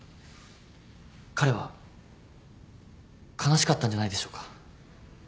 彼は悲しかったんじゃないでしょうか。